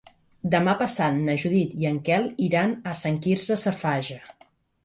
Demà passat na Judit i en Quel iran a Sant Quirze Safaja.